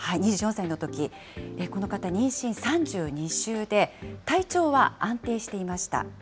この方、妊娠３２週で、体調は安定していました。